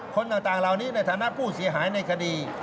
คนต่างเหล่านี้ในฐานะผู้เสียหายในคดี